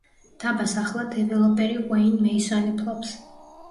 დაბას ახლა დეველოპერი უეინ მეისონი ფლობს.